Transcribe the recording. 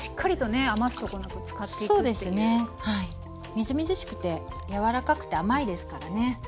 みずみずしくて柔らかくて甘いですからね。